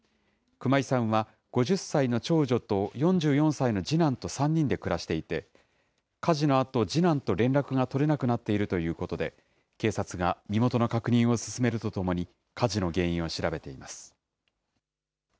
熊井さんは５０歳の長女と４４歳の次男と３人で暮らしていて、火事のあと、次男と連絡が取れなくなっているということで、警察が身元の確認を進めるとともに、火事の原因を調べています。